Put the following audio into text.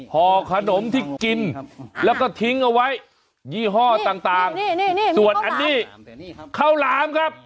ห่อขนมที่กินแล้วก็ทิ้งเอาไว้ยี่ห้อต่างส่วนอันนี้ข้าวหลามครับ